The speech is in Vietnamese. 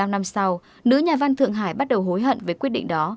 sáu mươi năm năm sau nữ nhà văn thượng hải bắt đầu hối hận với quyết định đó